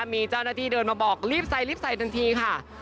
มีเจ้าหน้าที่เดินมาบอกรีบใส่รีบใส่ทันทีค่ะ